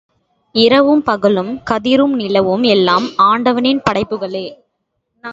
இரவும் பகலும் கதிரும் நிலவும் எல்லாம் ஆண்டவனின் படைப்புகளே!